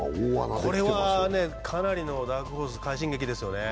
これはかなりのダークホース、快進撃ですよね。